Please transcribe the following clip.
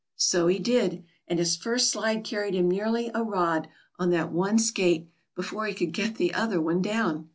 So he did, and his first slide carried him nearly a rod on that one skate before he could get the other one down.